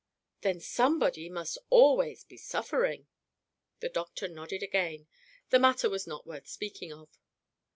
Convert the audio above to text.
"Then somebody must always be suffering." The doctor nodded again; the matter was not worth speaking of.